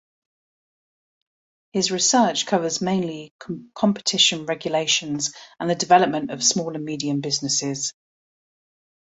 His research covers mainly competition regulations and the development of small and medium businesses.